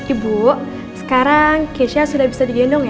ibu sekarang keisha sudah bisa digendongkan